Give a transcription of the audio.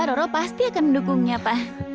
roro pasti akan mendukungnya pak